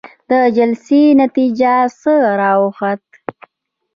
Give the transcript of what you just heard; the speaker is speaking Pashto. د جلسې نتيجه څه راوخته؟